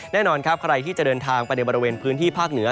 แน่นอนครับใครที่จะเดินทางไปในบริเวณพื้นที่ภาคเหนือ